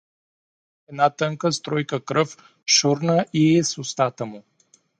Една тънка струйка кръв шурна и из устата му.